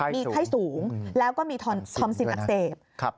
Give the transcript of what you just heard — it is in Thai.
มีไข้สูงแล้วก็มีทอมซินอักเสบ